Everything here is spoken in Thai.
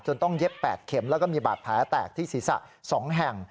ต้องเย็บ๘เข็มแล้วก็มีบาดแผลแตกที่ศีรษะ๒แห่ง